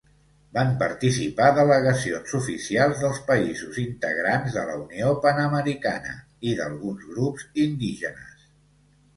Van participar delegacions oficials dels països integrants de la Unió Panamericana, i d'alguns grups indígenes.